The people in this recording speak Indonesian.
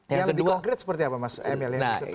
yang lebih konkret seperti apa mas emil